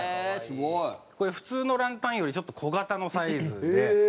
これ普通のランタンよりちょっと小型のサイズで。